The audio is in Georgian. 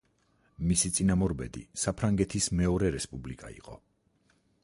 მისი წინამორბედი საფრანგეთის მეორე რესპუბლიკა იყო.